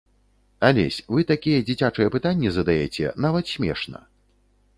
Алесь, вы такія дзіцячыя пытанні задаяце, нават смешна.